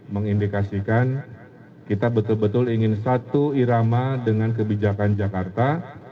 mengindikasikan kita betul betul ingin satu irama dengan kebijakan jakarta